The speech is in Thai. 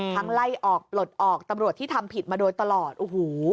ไล่ออกปลดออกตำรวจที่ทำผิดมาโดยตลอดโอ้โห